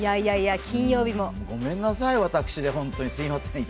ごめんなさい、私ですいません。